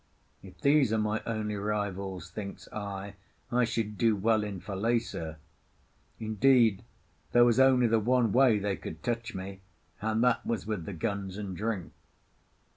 "If these are my only rivals," thinks I, "I should do well in Falesá." Indeed, there was only the one way they could touch me, and that was with the guns and drink.